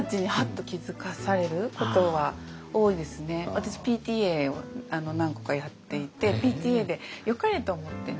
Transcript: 結構だから私ＰＴＡを何個かやっていてＰＴＡでよかれと思ってね